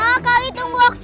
ah kali tunggu